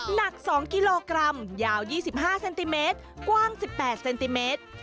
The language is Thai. หนัก๒กิโลกรัมยาว๒๕เซนติเมตรกว้าง๑๘เซนติเมตร